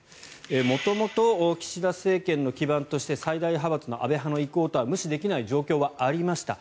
元々、岸田政権の基盤として最大派閥の安倍派の意向を無視できない状況はありました。